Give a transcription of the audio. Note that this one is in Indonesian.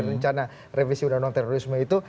rencana revisi undang undang terorisme itu